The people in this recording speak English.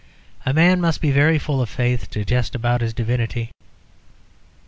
A man must be very full of faith to jest about his divinity.